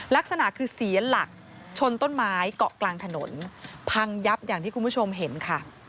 ลักษณะคือเสียหลักชนต้นไม้เกาะกลางถนนพังยับอย่างที่คุณผู้ชมเห็นค่ะ